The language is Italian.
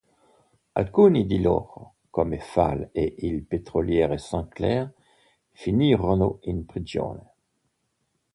Alcuni di loro, come Fall e il petroliere Sinclair finirono in prigione.